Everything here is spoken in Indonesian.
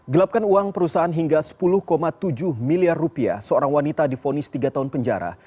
gelapkan uang perusahaan hingga sepuluh tujuh miliar rupiah seorang wanita difonis tiga tahun penjara